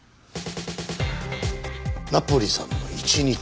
「ナポリさんの一日」。